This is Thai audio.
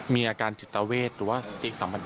มีอาการจิตเวชหรือว่าอีกสามบันดิน